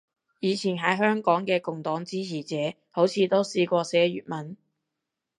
以前喺香港嘅共黨支持者好似都試過寫粵文